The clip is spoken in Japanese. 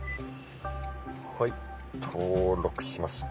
はい登録しました。